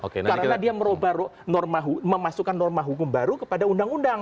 karena dia memasukkan norma hukum baru kepada undang undang